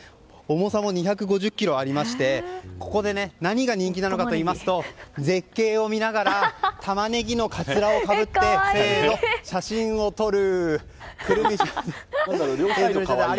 重さも２５０ｋｇありましてここで何が人気なのかというと絶景を見ながらタマネギのかつらをかぶってせーの写真を撮る！